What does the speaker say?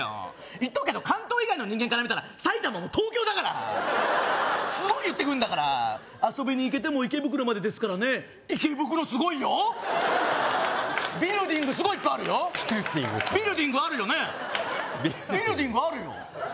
言っとくけど関東以外の人間から見たら埼玉も東京だからすごい言ってくんだから遊びに行けても池袋までですからね池袋すごいよビルディングすごいいっぱいあるよビルディングってビルディングあるよね